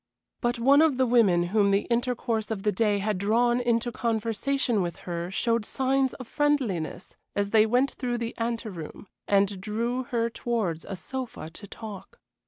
But one of the women whom the intercourse of the day had drawn into conversation with her showed signs of friendliness as they went through the anteroom, and drew her towards a sofa to talk.